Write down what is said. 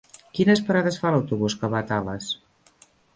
Quines parades fa l'autobús que va a Tales?